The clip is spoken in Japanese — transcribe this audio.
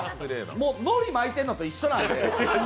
のり、巻いてるのと一緒なんで。